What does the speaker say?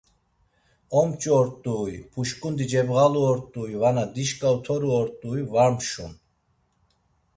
Omç̌u ort̆ui, puşǩundi cebğalu ort̆ui vana dişǩa otoru ort̆ui var mşun.